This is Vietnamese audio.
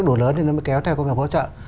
đủ lớn thì nó mới kéo theo công nghiệp hỗ trợ